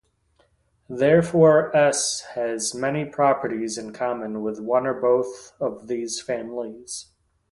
Therefore, "S" has many properties in common with one or both of these families.